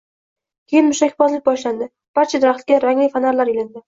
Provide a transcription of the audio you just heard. Keyin mushakbozlik boshlandi, barcha daraxtlarga rangli fonarlar ilindi